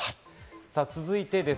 続いてです。